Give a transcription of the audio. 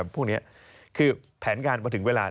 พวกนี้คือแผนการมาถึงเวลา